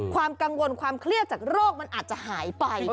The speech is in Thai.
ความกังวลความเครียดจากโรคมันอาจจะหายไป